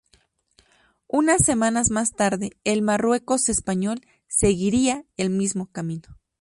Unas semanas más tarde el Marruecos español seguiría el mismo camino.